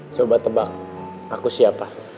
coba tebak aku siapa